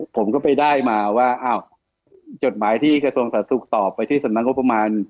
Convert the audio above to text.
ผมก็ไปได้มาว่าจดหมายที่กระทรวงศาสตร์ศูกร์ตอบไปที่สำนักงบประมาณ